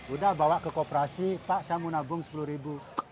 udah bawa ke kooperasi pak saya mau nabung sepuluh ribu